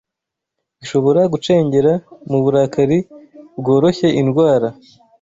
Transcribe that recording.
Bishobora gucengera muburakari bworoshye indwara